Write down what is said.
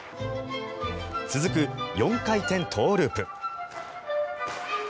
続く、４回転トウループ。